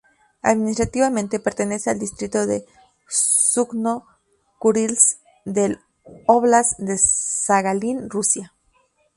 Administrativamente pertenece al distrito de Yuzhno-Kurilsk del óblast de Sajalín, Rusia.